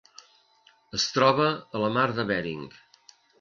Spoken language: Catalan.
Es troba a la Mar de Bering.